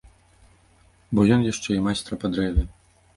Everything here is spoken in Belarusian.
Бо ён яшчэ і майстра па дрэве.